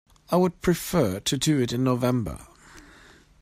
I would prefer to do it in November.